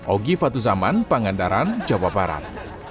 ogi fathuzaman pangadaran jawa barat